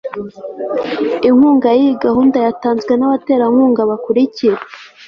inkunga yiyi gahunda yatanzwe nabaterankunga bakurikira